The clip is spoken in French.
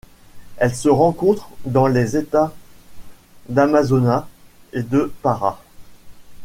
Elle se rencontre dans les États d'Amazonas et de Pará.